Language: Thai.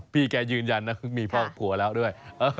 พี่แกยืนยันนะมีพ่อผัวแล้วด้วย